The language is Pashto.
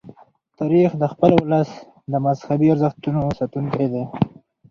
تاریخ د خپل ولس د مذهبي ارزښتونو ساتونکی دی.